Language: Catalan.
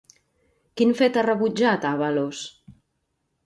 Quin fet ha rebutjat Ábalos?